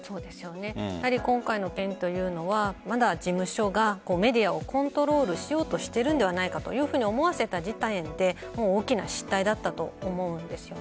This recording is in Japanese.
やはり今回の件というのはまだ事務所がメディアをコントロールしようとしているのではないかと思わせた時点で大きな失態だったと思うんです。